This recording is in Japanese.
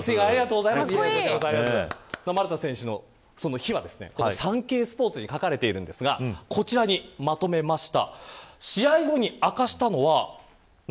丸田選手の秘話はサンケイスポーツに書かれているんですがこちらにまとめました。